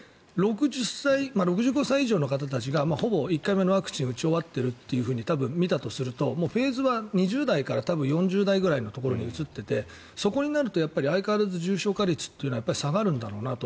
６５歳以上の方たちがほぼ１回目のワクチンを打ち終わっているというふうに多分、見たとするとフェーズはもう２０代から多分４０代ぐらいのところに移っていてそこになると、やっぱり相変わらず重症化率は下がるんだろうなと。